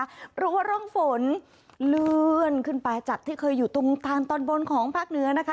เพราะว่าร่องฝนเลื่อนขึ้นไปจากที่เคยอยู่ตรงทางตอนบนของภาคเหนือนะคะ